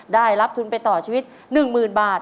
ได้รับทุนไปต่อชีวิต๑๐๐๐บาท